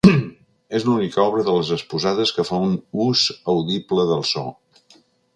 És l’única obra de les exposades que fa un ús audible del so.